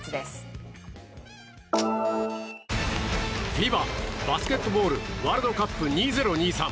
ＦＩＢＡバスケットボールワールドカップ２０２３。